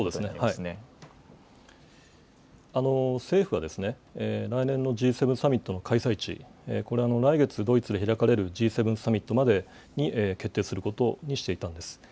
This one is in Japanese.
政府は、来年のＧ７サミットの開催地、これは来月ドイツで開かれるＧ７サミットまでに決定することにしていたんです。